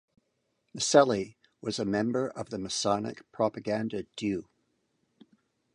Miceli was a member of the masonic Propaganda Due.